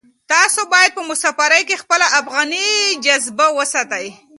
تاسو باید په مسافرۍ کې خپله افغاني جذبه وساتئ.